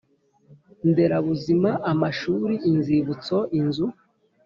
Nderabuzima amashuri inzibutso inzu